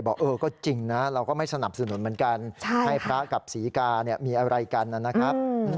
บอกเออก็จริงนะเราก็ไม่สนับสนุนเหมือนกันให้พระกับศรีกามีอะไรกันนะครับ